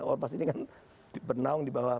ormas ini kan benang di bawah